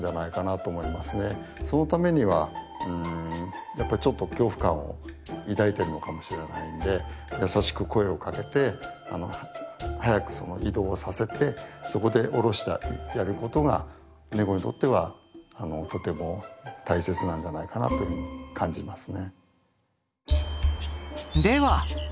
そのためにはやっぱりちょっと恐怖感を抱いてるのかもしれないんで優しく声をかけてあの早く移動させてそこでおろしてやることがネコにとってはとても大切なんじゃないかなというふうに感じますね。